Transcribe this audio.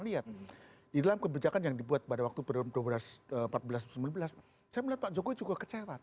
lihat di dalam kebijakan yang dibuat pada waktu periode dua ribu empat belas dua ribu sembilan belas saya melihat pak jokowi juga kecewa